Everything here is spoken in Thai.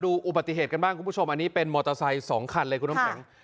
อุบัติเหตุกันบ้างคุณผู้ชมอันนี้เป็นมอเตอร์ไซค์๒คันเลยคุณน้ำแข็ง